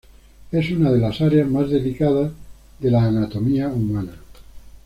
Es una de las áreas más delicadas de la anatomía humana.